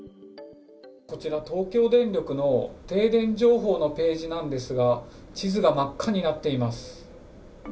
こちら東京電力の停電情報のページなんですが、地図が真っ赤になっています。